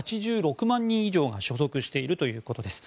８６万人以上が所属しているということです。